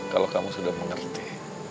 kalau kamu sudah mengerti